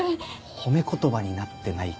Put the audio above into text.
褒め言葉になってないかも。